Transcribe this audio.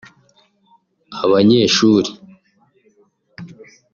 Abanyeshuli